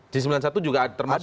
di sembilan puluh satu juga termasuk